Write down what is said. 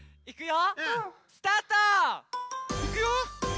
いくよ！